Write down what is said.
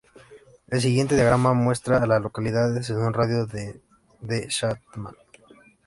El siguiente diagrama muestra a las localidades en un radio de de Chatham.